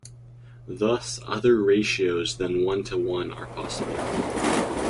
Thus other ratios than one to one are possible.